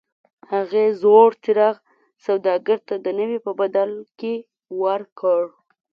هغې زوړ څراغ سوداګر ته د نوي په بدل کې ورکړ.